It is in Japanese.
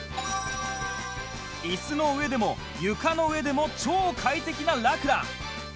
椅子の上でも床の上でも超快適なラクラ